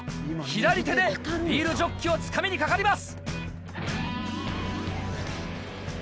左手でビールジョッキをつかみにかかります。